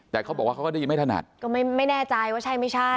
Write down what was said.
แต่เขาบอกว่าเขาก็ได้ยินไม่ถนัดก็ไม่ไม่แน่ใจว่าใช่ไม่ใช่